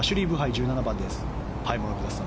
１７番です。